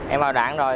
em vào đảng rồi